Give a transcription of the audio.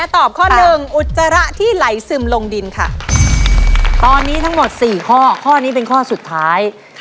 ตอนนี้ทั้งหมด๔ข้อข้อนี้เป็นข้อสุดท้าย